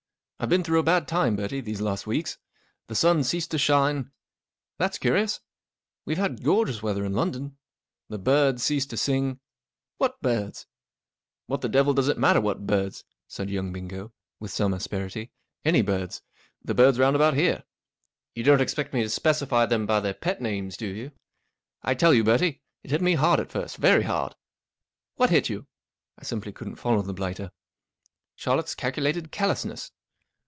I've been through a bad time, Bertie, these last weeks. The sun ceased to shine " 4 ' That's curious. We've had gorgeous weather in London." 44 The birds ceased to sing " 4< What birds ?"" What the devil does it matter what birds ?" said young Bingo, with some asperity. 44 Any birds. The birds round about here. You don't expect me to specify them by their pet names, do you ? I tell you, Bertie, it hit me hard at first, very hard." 44 What hit you ?" I simply couldn't follow the blighter. 14 Charlotte's calculated callousness."